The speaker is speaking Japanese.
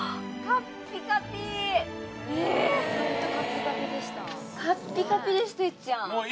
カッピカピです哲ちゃん。